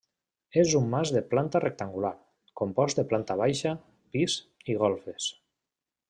És un mas de planta rectangular, compost de planta baixa, pis i golfes.